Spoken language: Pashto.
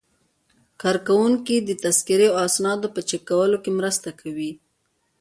کارکوونکي د تذکرې او اسنادو په چک کولو کې مرسته کوي.